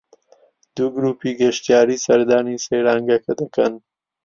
دوو گرووپی گەشتیاری سەردانی سەیرانگەکە دەکەن